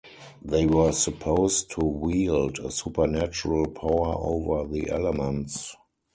They were supposed to wield a supernatural power over the elements.